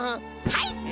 はい！